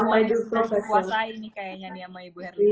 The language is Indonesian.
masih puasa ini kayaknya nih sama ibu hernia